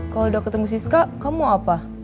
kalau udah ketemu siska kamu apa